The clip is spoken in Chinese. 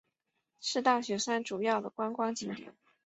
是大雪山主要的观光景点。